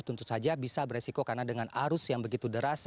tentu saja bisa beresiko karena dengan arus yang begitu deras